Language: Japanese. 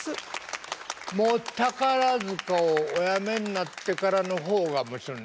もう宝塚をおやめになってからの方がもちろん長い。